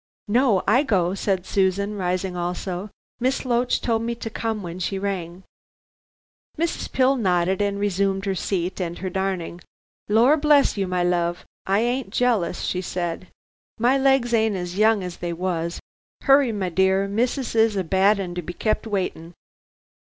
"No! I go," said Susan, rising also. "Miss Loach told me to come when she rang." Mrs. Pill nodded and resumed her seat and her darning. "Lor bless you, my love, I ain't jealous," she said. "My legs ain't as young as they was. 'Urry, my dear, missus is a bad 'un to be kept waitin'."